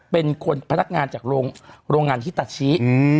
เป็นคนพนักงานจากโรงงานฮิตาชิ